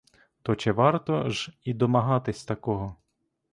То чи варто ж і домагатись такого?